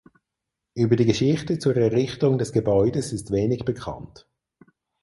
Über die Geschichte zur Errichtung des Gebäudes ist wenig bekannt.